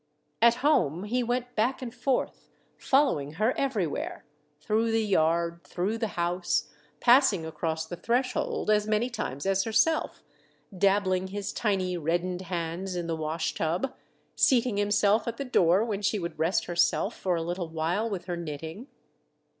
At home, he went back and forth, following her everywhere, through the yard, through the house, passing across the threshold as many times as her self, dabbling his tiny, reddened hands in the wash tub, seating himself at the door when she would rest herself for a little while with her knitting.